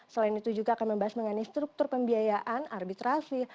selain itu juga akan membahas mengenai struktur pembiayaan arbitrasi